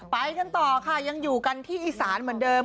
ไปกันต่อค่ะยังอยู่กันที่อีสานเหมือนเดิม